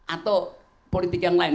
atau politik yang lain